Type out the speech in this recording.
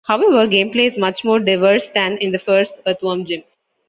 However, gameplay is much more diverse than in the first "Earthworm Jim".